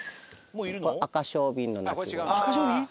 アカショウビン？